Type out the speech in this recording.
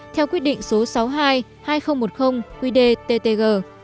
theo quyết định số sáu mươi hai hai nghìn một mươi qdttg